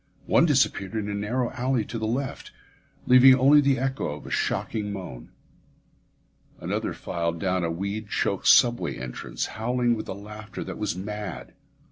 One disappeared in a narrow alley to the left, leaving only the echo of a shocking moan. Another filed down a weed choked subway entrance, howling with a laughter that was mad.